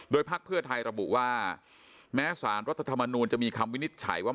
พักเพื่อไทยระบุว่าแม้สารรัฐธรรมนูลจะมีคำวินิจฉัยว่า